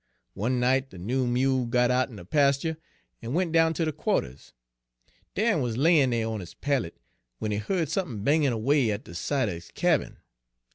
One night de noo mule got out'n de pastur', en went down to de quarters. Dan wuz layin' dere on his pallet, w'en he heard sump'n bangin' erway at de side er his cabin.